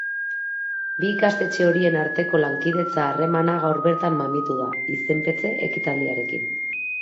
Bi ikastetxe horien arteko lankidetza-harremana gaur bertan mamitu da, izenpetze ekitaldiarekin.